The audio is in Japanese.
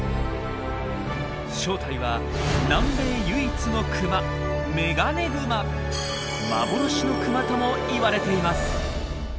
正体は南米唯一のクマ「幻のクマ」とも言われています。